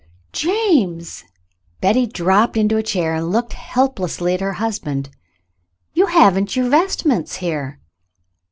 "James!" Betty dropped into a chair and looked helplessly at her husband. "You haven't your vest ments here